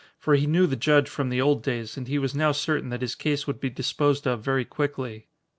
For he knew the judge from the old days and he was now certain that his case would be disposed of very quickly.